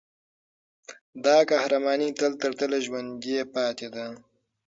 دا قهرماني تله ترتله ژوندي پاتې ده.